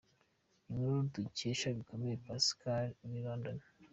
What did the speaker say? Inkuru dukesha Bakomere Pascal uri i London.